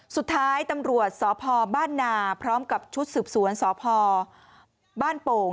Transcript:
สุดท้ายตำรวจสพบ้านนาพร้อมกับชุดสืบสวนสพบ้านโป่ง